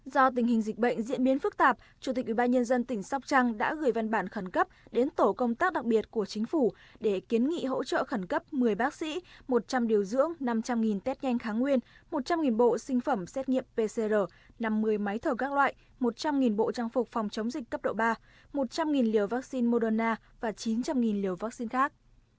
do tình hình dịch bệnh diễn biến phức tạp chủ tịch ubnd tỉnh sóc trăng đã gửi văn bản khẩn cấp đến tổ công tác đặc biệt của chính phủ để kiến nghị hỗ trợ khẩn cấp một mươi bác sĩ một trăm linh điều dưỡng năm trăm linh test nhanh kháng nguyên một trăm linh bộ sinh phẩm xét nghiệm pcr năm mươi máy thở các loại một trăm linh bộ trang phục phòng chống dịch cấp độ ba một trăm linh liều vaccine moderna và chín trăm linh liều vaccine khác